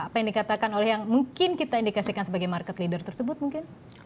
apa yang dikatakan oleh yang mungkin kita indikasikan sebagai market leader tersebut mungkin